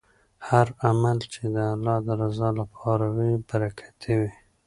هر عمل چې د الله د رضا لپاره وي برکتي وي.